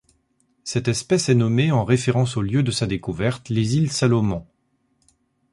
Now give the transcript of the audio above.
Cette espèce est nommée en référence au lieu de sa découverte, les Îles Salomon.